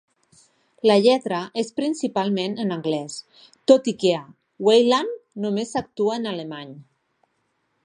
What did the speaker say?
La lletra és principalment en anglès, tot i que a "Weiland" només s'actua en alemany.